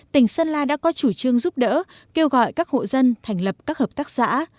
tỉnh sơn la đã có chủ trương giúp đỡ kêu gọi các hộ dân thành lập các hợp tác xã